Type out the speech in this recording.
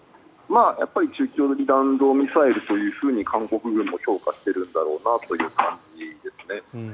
やっぱり中距離弾道ミサイルと韓国軍も評価してるんだろうなという感じですね。